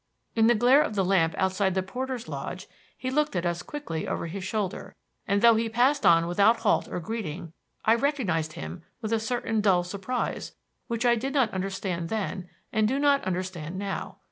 In the glare of the lamp outside the porter's lodge he looked at us quickly over his shoulder, and though he passed on without halt or greeting, I recognized him with a certain dull surprise which I did not understand then and do not understand now.